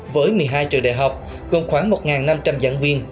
với một mươi hai trường đại học gồm khoảng một năm trăm linh giảng viên